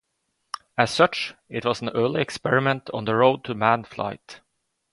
As such, it was an early experiment on the road to manned flight.